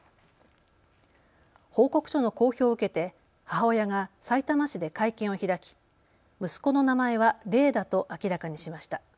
報告書の公表を受けて母親がさいたま市で会見を開き息子の名前は怜だと明らかにしました。